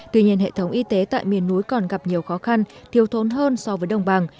tuy nhiên hệ thống y tế tại miền núi còn gặp nhiều khó khăn thiếu thốn hơn so với đồng bằng